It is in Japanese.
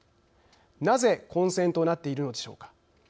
なぜ混戦となっているのでしょうか。